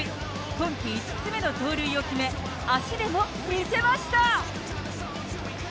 今季５つ目の盗塁を決め、足でも見せました。